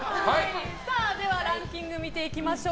ランキング見ていきましょう。